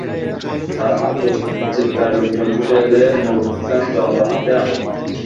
তার আর্তচিৎকারে লোকজন ছুটে এলে নুর হোসেন জনতার হাতে আটক হন।